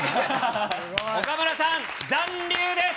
岡村さん、残留です。